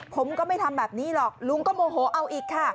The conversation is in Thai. ผมก็ไม่ทำแบบนี้หรอกลุงก็โมโหเอาอีกค่ะ